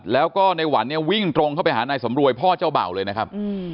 แล้วก็ในหวันเนี่ยวิ่งตรงเข้าไปหานายสำรวยพ่อเจ้าเบ่าเลยนะครับ